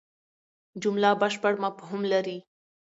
جمله بشپړ مفهوم لري.